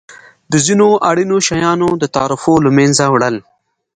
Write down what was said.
د ځینو اړینو شیانو د تعرفو له مینځه وړل.